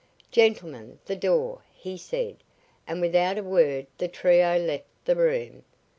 "Gentlemen, the door," he said, and without a word the trio left the room.